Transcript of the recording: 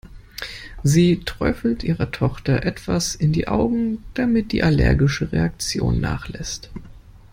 Sie träufelt ihrer Tochter etwas in die Augen, damit die allergische Reaktion nachlässt.